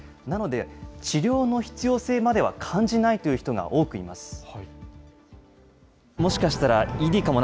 なので、治療の必要性までは感じないという人が多くいます。